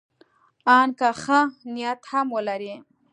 ان که ښه نیت هم ولري.